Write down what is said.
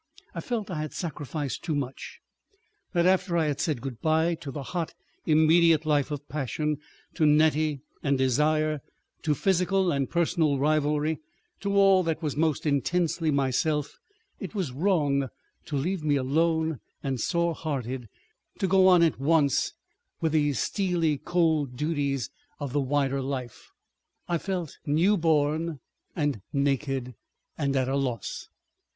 I felt I had sacrificed too much, that after I had said good bye to the hot immediate life of passion, to Nettie and desire, to physical and personal rivalry, to all that was most intensely myself, it was wrong to leave me alone and sore hearted, to go on at once with these steely cold duties of the wider life. I felt new born, and naked, and at a loss.